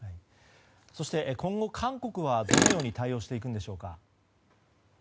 そして今後、韓国はどのように対応していくのでしょうか。